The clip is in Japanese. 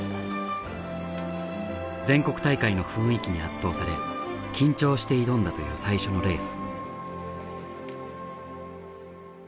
全国大会の雰囲気に圧倒され緊張して挑んだという最初のレース。